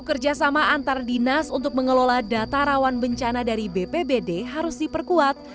kerjasama antar dinas untuk mengelola data rawan bencana dari bpbd harus diperkuat